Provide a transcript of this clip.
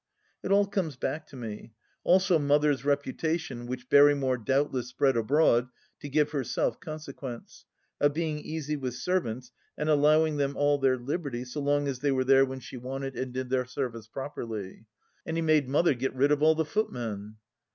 It all comes back to me. ... Also Mother's reputation, which Berrymore doubtless spread abroad to give herself consequence, of being easy with servants and allowing them all their liberty so long as they were there when she wanted THE LAST DITCH 119 and did their service properly. And he made Mother get rid of all the footmen